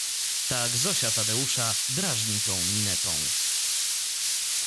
Tak Zosia Tadeusza drażni tą minetą.